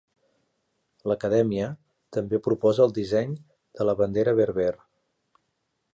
L'acadèmia també proposa el disseny de la bandera berber.